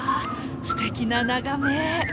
すてきな眺め！